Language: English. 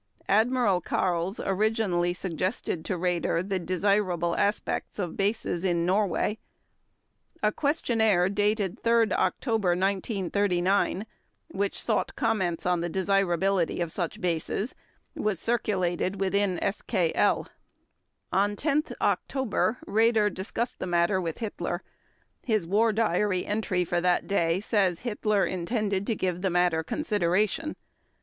Admiral Karls originally suggested to Raeder the desirable aspects of bases in Norway. A questionnaire, dated 3 October 1939, which sought comments on the desirability of such bases, was circulated within SKL. On 10 October Raeder discussed the matter with Hitler; his War Diary entry for that day says Hitler intended to give the matter consideration.